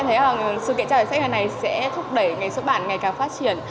em thấy là sự kiện trao giải sách này sẽ thúc đẩy sức bản ngày càng phát triển